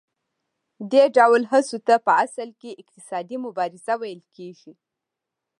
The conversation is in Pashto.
دې ډول هڅو ته په اصل کې اقتصادي مبارزه ویل کېږي